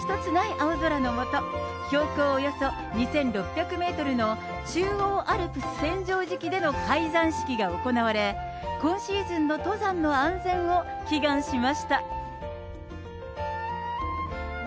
青空の下、標高およそ２６００メートルの中央アルプス千畳敷での開山式が行われ、今シーズンの登山の安全を祈願しました。